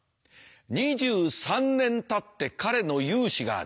２３年たって彼の雄姿がある。